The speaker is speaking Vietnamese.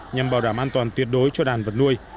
nhằm bảo đảm an toàn tuyệt đối cho đàn vật nuôi